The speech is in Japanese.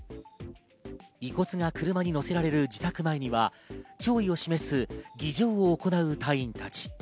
遺骨が車に乗せられる自宅前には弔意を示す儀仗を行う隊員たち。